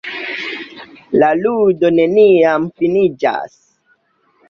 La ludo neniam finiĝas.